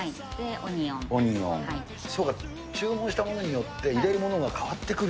オニオン、そうか、注文したものによって、入れるものが変わってくる？